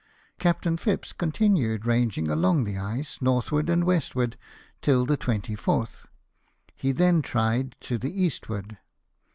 Captain Phipps continued ranging along the ice northward and westward till the 24th ; he then tried to the east ward.